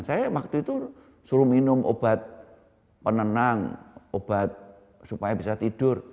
saya waktu itu suruh minum obat penenang obat supaya bisa tidur